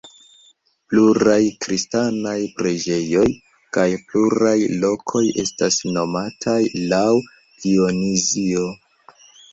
Pluraj kristanaj preĝejoj kaj pluraj lokoj estas nomataj laŭ Dionizio.